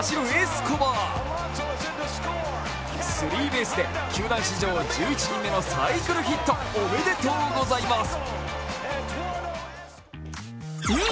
スリーベースで球団史上１１人目のサイクルヒット、おめでとうございます！